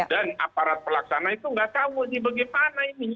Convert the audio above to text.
dan aparat pelaksana itu nggak tahu ini bagaimana ini